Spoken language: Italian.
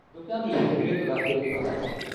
Il doppiaggio è stato diretto da Federico Danti.